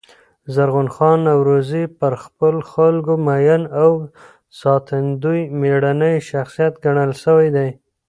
زرغون خان نورزي پر خپلو خلکو مین او ساتندوی مېړنی شخصیت ګڼل سوی دﺉ.